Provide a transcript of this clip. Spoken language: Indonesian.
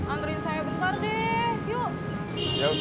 anterin saya bentar deh